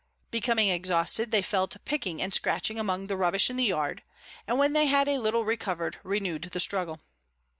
Becoming exhausted, they fell to picking and scratching among the rubbish in the yard, and when they had a little recovered renewed the struggle.